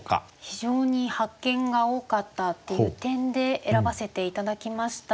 非常に発見が多かったっていう点で選ばせて頂きました。